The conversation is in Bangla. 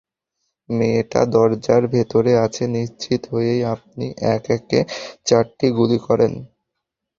মেয়েটা দরজার ভেতরে আছে নিশ্চিত হয়েই আপনি একে একে চারটি গুলি করেন।